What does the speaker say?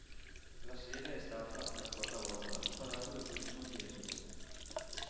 La sede è stata, per la quarta volta, il Palazzo del Turismo di Jesolo.